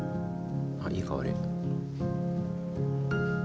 いい香り。